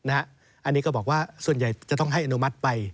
อันนี้ก็บอกว่าส่วนใหญ่จะต้องให้อนุมัติไป